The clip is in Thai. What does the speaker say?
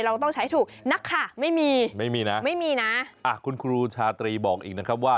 เราต้องใช้ถูกนักข่าวไม่มีไม่มีนะไม่มีนะอ่ะคุณครูชาตรีบอกอีกนะครับว่า